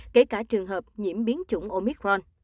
kể cả trường hợp nhiễm biến chủng omicron